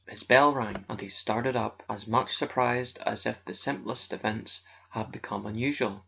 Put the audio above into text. His bell rang, and he started up, as much surprised as if the simplest events had become unusual.